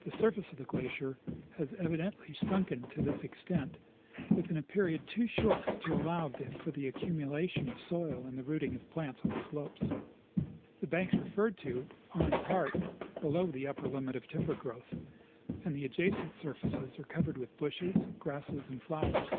The surface of the glacier has evidently sunken to this extent Avithin a period too short to allow of the accumula tion of soil and the rooting of plants on the slopes. The banks referred to are in part below the upper limit of timber growth, and the adjacent surfaces are covered with bushes, grasses', and flowers.